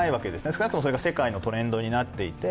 少なくとも、それが世界のトレンドになっていて。